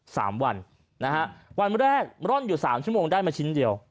สามวันนะฮะวันแรกร่อนอยู่สามชั่วโมงได้มาชิ้นเดียว